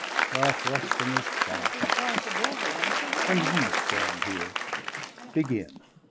But Rustum is far hence, and we stand here. Begin!